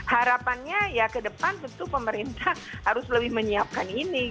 harapannya ya ke depan tentu pemerintah harus lebih menyiapkan ini